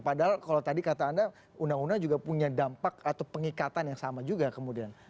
padahal kalau tadi kata anda undang undang juga punya dampak atau pengikatan yang sama juga kemudian